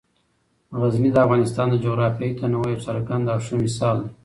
غزني د افغانستان د جغرافیوي تنوع یو څرګند او ښه مثال دی.